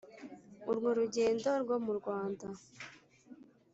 urwo rugendo rwo mu rwanda